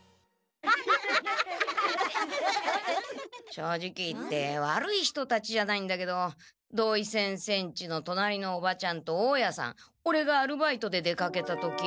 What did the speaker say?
正直言って悪い人たちじゃないんだけど土井先生んちの隣のおばちゃんと大家さんオレがアルバイトで出かけた時。